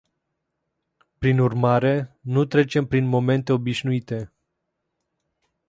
Prin urmare, nu trecem prin momente obișnuite.